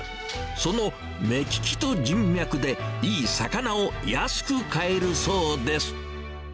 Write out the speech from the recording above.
その目利きと人脈で、いい魚を安く買えるそうです。